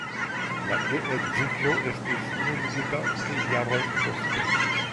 La geedziĝo estis nuligita tri jarojn poste.